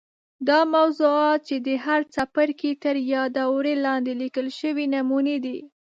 دا موضوعات چې د هر څپرکي تر یادوري لاندي لیکل سوي نمونې دي.